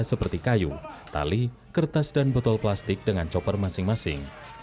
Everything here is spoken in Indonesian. seperti kayu tali kertas dan botol plastik dengan chopper masing masing